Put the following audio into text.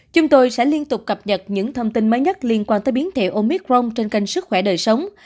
chúng tôi sẽ liên tục cập nhật những thông tin mới nhất liên quan tới biến thể omicron trên kênh sức khỏe đời sống